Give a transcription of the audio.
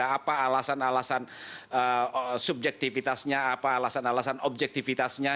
apa alasan alasan subjektifitasnya apa alasan alasan objektifitasnya